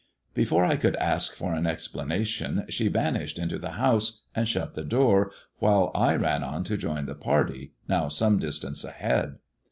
Before I could ask for an explanation, she vanished into the house and shut the door, while I ran on to join the party, now some distance ahead.